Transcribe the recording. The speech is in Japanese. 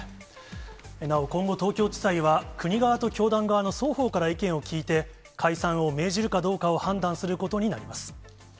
なお今後、東京地裁は、国側と教団側の双方から意見を聞いて、解散を命じるかどうかを判断することになります。